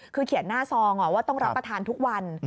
คือเขียนหน้าซองว่าต้องรับประทานทุกวัน